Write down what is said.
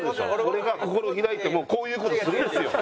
俺が心を開いてもこういう事をするんですよ。